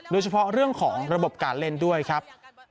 โดยเฉพาะเรื่องของระบบการเล่นด้วยครับ